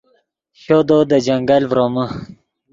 شودو دے جنگل ڤرومے